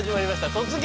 「突撃！